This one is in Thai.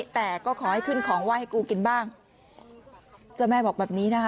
แต่ก็ขอให้ขึ้นของไหว้ให้กูกินบ้างเจ้าแม่บอกแบบนี้นะคะ